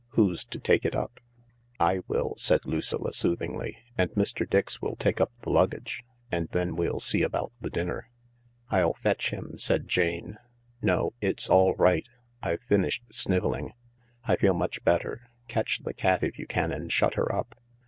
Who's to take it up ?" "I will," said Lucilla soothingly; "and Mr. Dix will take up the luggage, and then we'll see about the dinner." Ill fetch him/' said Jane. "No, it's all right. I've finished snivelling. I feel much better. Catch the cat if you can and shut her up.